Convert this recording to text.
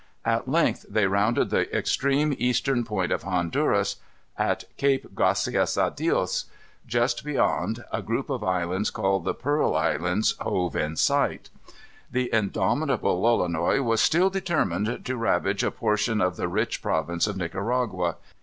At length they rounded the extreme eastern point of Honduras, at Cape Gracios à Dios. Just beyond, a group of islands called the Pearl Islands, hove in sight. The indomitable Lolonois was still determined to ravage a portion of the rich province of Nicaragua.